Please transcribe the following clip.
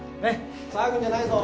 騒ぐんじゃないぞ。